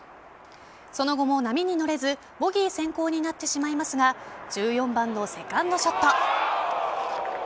その後も波に乗れずボギー先行になってしまいますが１４番のセカンドショット。